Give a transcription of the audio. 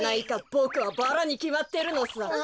ボクはバラにきまってるのさ。